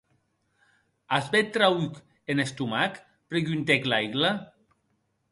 As bèth trauc en estomac?, preguntèc Laigle.